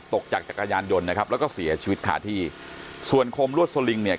ตกจากจักรยานยนต์นะครับแล้วก็เสียชีวิตคาที่ส่วนคมลวดสลิงเนี่ย